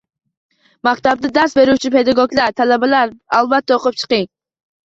Maktabda dars beruvchi pedagoglar, talabalar albatta o‘qib chiqing.